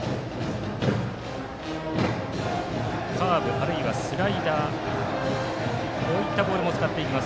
カーブ、あるいはスライダーこういったボールも使います。